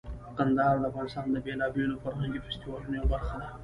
کندهار د افغانستان د بیلابیلو فرهنګي فستیوالونو یوه برخه ده.